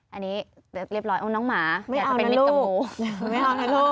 อันนี้เรียบร้อยเอาน้องหมาอยากจะเป็นมิตส์กับงู